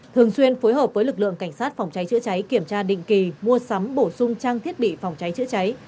thường xuyên phối hợp với lực lượng cảnh sát phòng cháy chữa cháy kiểm tra định kỳ mua sắm bổ sung trang thiết bị phòng cháy chữa cháy